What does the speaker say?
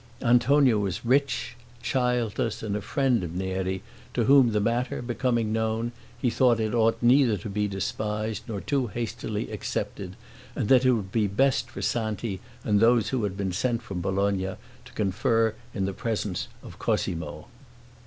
Antonio was rich, childless, and a friend of Neri, to whom the matter becoming known, he thought it ought neither to be despised nor too hastily accepted; and that it would be best for Santi and those who had been sent from Bologna, to confer in the presence of Cosmo.